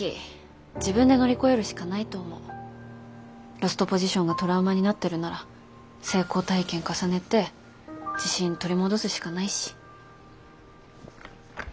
ロストポジションがトラウマになってるなら成功体験重ねて自信取り戻すしかないし。